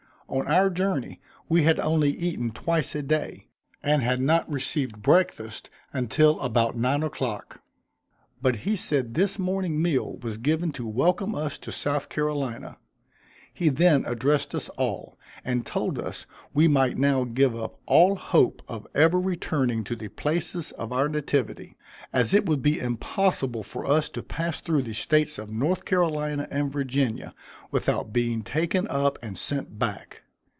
On our journey, we had only eaten twice a day, and had not received breakfast until about nine o'clock; but he said this morning meal was given to welcome us to South Carolina. He then addressed us all, and told us we might now give up all hope of ever returning to the places of our nativity; as it would be impossible for us to pass through the States of North Carolina and Virginia, without being taken up and sent back.